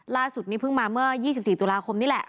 ล่าสุดนี้เพิ่งมาเมื่อ๒๔ตุลาคมนี่แหละ